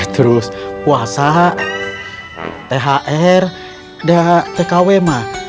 terus puasa thr dan tkw mah